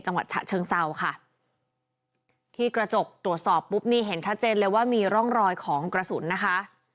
ฉะเชิงเซาค่ะที่กระจกตรวจสอบปุ๊บนี่เห็นชัดเจนเลยว่ามีร่องรอยของกระสุนนะคะ